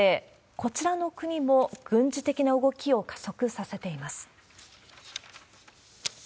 こちらの国も、軍事的な動きを加速させています。